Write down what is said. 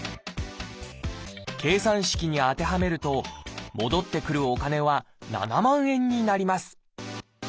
計算式に当てはめると戻ってくるお金は７万円になります